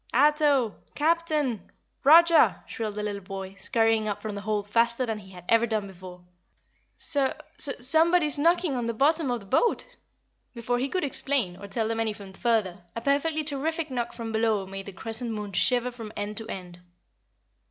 "Ato! Captain! ROGER!" shrilled the little boy, scurrying up from the hold faster than he had ever done before. "Su su SOMEBODY'S knocking on the bottom of the boat." Before he could explain, or tell them anything further, a perfectly terrific knock from below made the Crescent Moon shiver from end to end.